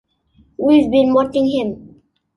We've been watching him.